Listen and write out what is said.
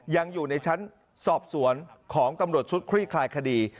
ยังอยู่ในชั้นสอบสวนของตำรวจชุดคลี่คลายคดี